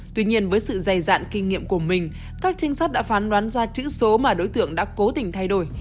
tuy nhiên với sự dày dạn kinh nghiệm của mình các trinh sát đã phán đoán ra chữ số mà đối tượng đã cố tình thay đổi